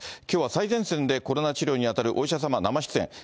きょうは最前線でコロナ治療に当たるお医者様、生出演。